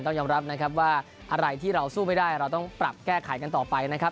ต้องยอมรับนะครับว่าอะไรที่เราสู้ไม่ได้เราต้องปรับแก้ไขกันต่อไปนะครับ